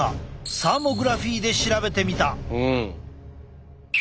サーモグラフィーで調べてみた。